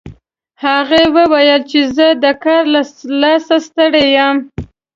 هغه وویل چې زه د کار له لاسه ستړی یم